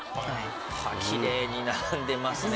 きれいに並んでますね。